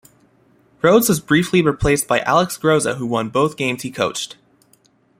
Rhodes was briefly replaced by Alex Groza, who won both games he coached.